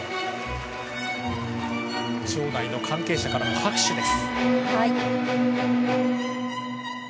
場内の関係者からの拍手です。